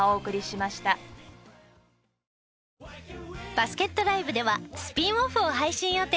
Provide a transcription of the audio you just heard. バスケットＬＩＶＥではスピンオフを配信予定。